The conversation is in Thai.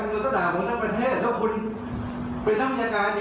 ผมสงสัยต้องไปถอดไอ้คำว่าวิทยาลัยวิทยาลัยนับแชร์การคุณแล้ว